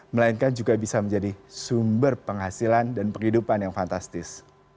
melainkan juga bisa menjadi sumber penghasilan dan penghidupan yang fantastis